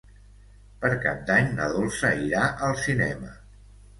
Per Cap d'Any na Dolça irà al cinema.